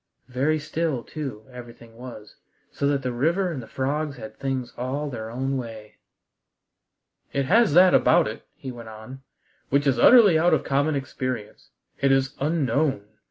Very still, too, everything was, so that the river and the frogs had things all their own way. "It has that about it," he went on, "which is utterly out of common experience. It is unknown.